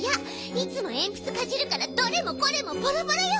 いつもえんぴつかじるからどれもこれもボロボロよ！